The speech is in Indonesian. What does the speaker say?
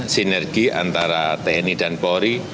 sinergi antara tni dan polri